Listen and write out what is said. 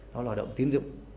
đó là hoạt động tín dụng